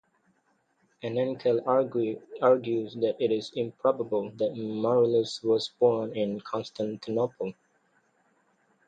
Enenkel argues that it is improbable that Marullus was born in Constantinople.